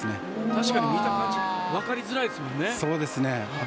確かに、見た感じ分かりづらいですもんね。